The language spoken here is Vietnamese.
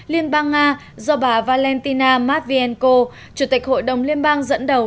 liên bang nga do bà valentina matvienko chủ tịch hội đồng liên bang dẫn đầu